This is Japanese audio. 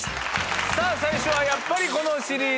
さあ最初はやっぱりこのシリーズ。